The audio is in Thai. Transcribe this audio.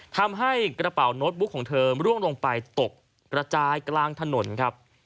ทำให้กระเป๋าโน้ตบุ๊กของเธอร่วงลงไปตกกระจายกลางถนนครับ